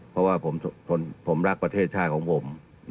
เพราะว่าผมรักประเทศชาติของผม